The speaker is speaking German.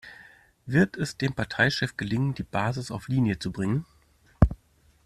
Wird es dem Parteichef gelingen, die Basis auf Linie zu bringen?